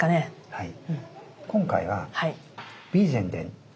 はい。